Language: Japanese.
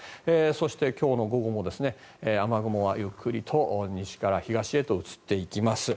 そして、今日の午後も雨雲はゆっくりと西から東へと移っていきます。